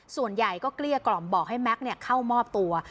ส่วนใหญ่ก็เกลี้ยกล่อมบอกให้แม็กซ์เข้ามอบตัว